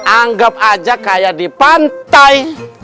anggap aja kayak di pantai